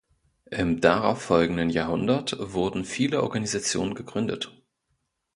Im darauffolgenden Jahrhundert wurden viele Organisationen gegründet.